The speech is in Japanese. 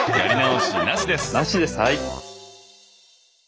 なしですはい。